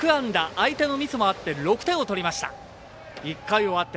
相手のミスもあって６点を取りました。